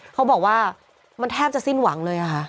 เขาบอกว่ามันแทบจะสิ้นหวังเลยค่ะ